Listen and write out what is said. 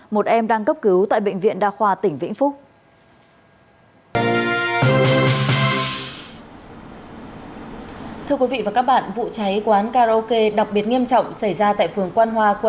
một em đang cấp cứu tại bệnh viện đa khoa tỉnh vĩnh phúc